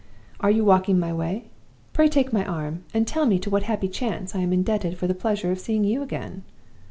Are you walking my way? Pray take my arm, and tell me to what happy chance I am indebted for the pleasure of seeing you again?